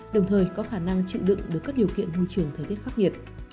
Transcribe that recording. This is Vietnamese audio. đồng thời có khả năng chịu đựng được các điều kiện môi trường thời tiết khắc nghiệt